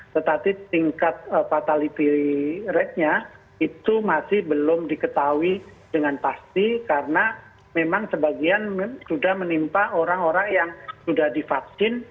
tetapi tingkat fatality ratenya itu masih belum diketahui dengan pasti karena memang sebagian sudah menimpa orang orang yang sudah divaksin